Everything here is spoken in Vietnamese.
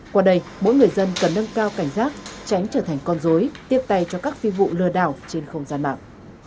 qua đây mỗi người dân cần nâng cao cảnh giác tránh trở thành con dối tiếp tay cho các phi vụ lừa đảo trên không gian mạng